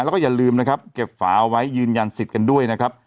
แล้วก็อย่าลืมนะครับเก็บฝาเอาไว้ยืนยันสิทธิ์กันด้วยนะครับ